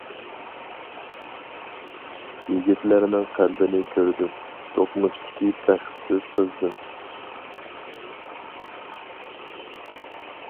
يىگىتلەرنىڭ قەلبىنى كۆردۈم، دوقمۇشتىكى بەختسىز قىزدىن.